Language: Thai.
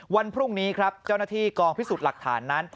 วันพรุ่งนี้ครับเจ้าหน้าที่กองพิสูจน์หลักฐานนั้น